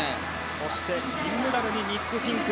そして銀メダルにニック・フィンク。